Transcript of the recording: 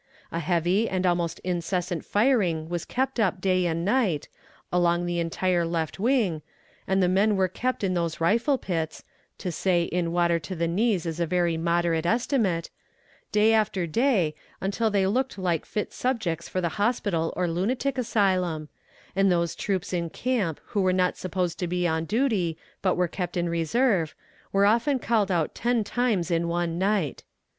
A heavy and almost incessant firing was kept up day and night, along the entire left wing, and the men were kept in those rifle pits, (to say in water to the knees is a very moderate estimate), day after day, until they looked like fit subjects for the hospital or lunatic asylum, and those troops in camp who were not supposed to be on duty, but were kept in reserve, were often called out ten times in one night.